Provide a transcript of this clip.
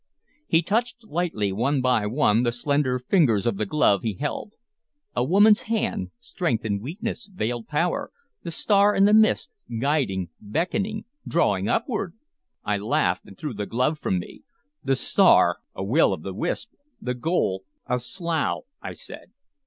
He touched lightly, one by one, the slender fingers of the glove he held. "A woman's hand, strength in weakness, veiled power, the star in the mist, guiding, beckoning, drawing upward!" I laughed and threw the glove from me. "The star, a will of the wisp; the goal, a slough," I said.